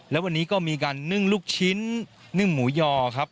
และวันนี้ก็มีการนึ่งลูกชิ้นนึ่งหมูยอครับ